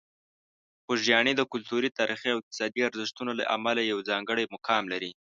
خوږیاڼي د کلتوري، تاریخي او اقتصادي ارزښتونو له امله یو ځانګړی مقام لري.